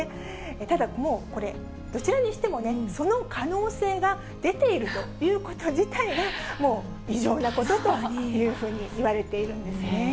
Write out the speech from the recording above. ただ、もうこれ、どちらにしてもその可能性が出ているということ自体が、もう異常なことというふうに言われているんですね。